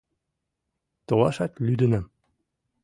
Толашат лӱдынам.